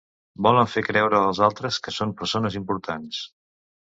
Volen fer creure als altres que són persones importants.